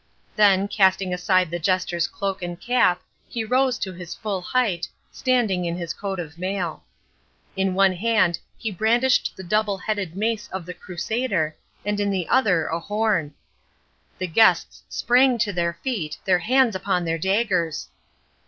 Then, casting aside the jester's cloak and cap, he rose to his full height, standing in his coat of mail. In one hand he brandished the double headed mace of the Crusader, and in the other a horn. The guests sprang to their feet, their hands upon their daggers.